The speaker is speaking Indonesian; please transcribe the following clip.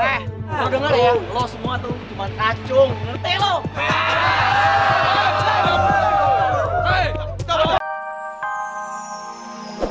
eh udah denger ya lo semua tuh cuma kacung ngerti loh